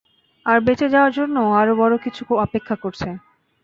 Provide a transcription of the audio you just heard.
আর বেচেঁ যাওয়াদের জন্য আরো বড়ো কিছু অপেক্ষা করছে।